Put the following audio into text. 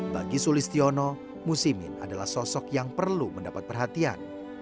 bagi sulistiono musimin adalah sosok yang perlu mendapat perhatian